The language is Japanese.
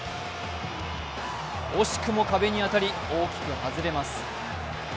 惜しくも壁に当たり大きく外れます。